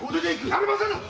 なりませぬ！